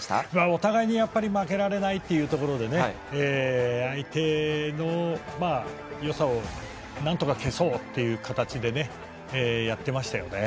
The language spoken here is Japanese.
お互いに負けられないというところでね相手の良さをなんとか消そうという形でやっていました。